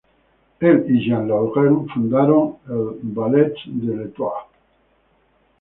Él y Jean Laurent fundaron el Ballets de l'Étoile.